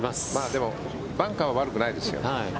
でも、バンカーは悪くないですよ。